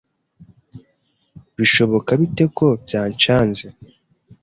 Bishoboka bite ko byancanze